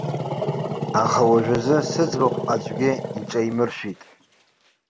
Аха уажәазы сыӡбахә аӡәгьы иҿаимыршәит.